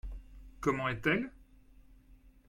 Comment est-elle ?